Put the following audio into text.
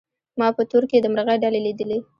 ما په تور کي د مرغۍ ډلي لیدلې